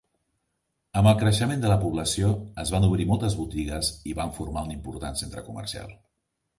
Amb el creixement de la població, es van obrir moltes botigues i van formar un important centre comercial.